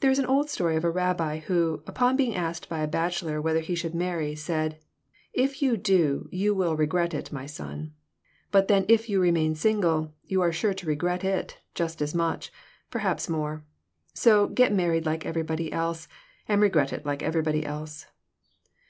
There is an old story of a rabbi who, upon being asked by a bachelor whether he should marry, said: "If you do you will regret it, my son; but then if you remain single you are sure to regret it just as much; perhaps more. So get married like everybody else and regret it like everybody else."